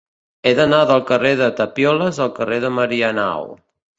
He d'anar del carrer de Tapioles al carrer de Marianao.